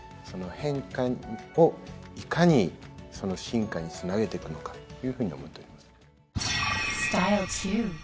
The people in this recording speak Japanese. その変化をいかに進化につなげてくのかというふうに思っております。